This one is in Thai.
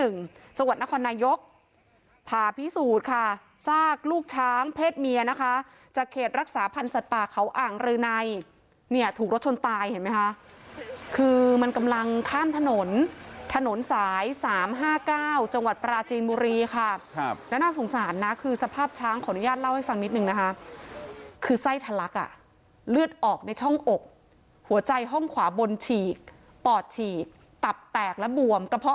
จังหวัดนครนายกผ่าพิสูจน์ค่ะซากลูกช้างเพศเมียนะคะจากเขตรักษาพันธ์สัตว์ป่าเขาอ่างรืนัยเนี่ยถูกรถชนตายเห็นไหมคะคือมันกำลังข้ามถนนถนนสายสามห้าเก้าจังหวัดปราจีนบุรีค่ะครับแล้วน่าสงสารนะคือสภาพช้างขออนุญาตเล่าให้ฟังนิดนึงนะคะคือไส้ทะลักอ่ะเลือดออกในช่องอกหัวใจห้องขวาบนฉีกปอดฉีกตับแตกและบวมกระเพาะ